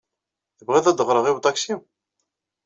Tebɣiḍ ad d-aɣreɣ i uṭaksi?